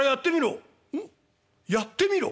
「おっ『やってみろ』？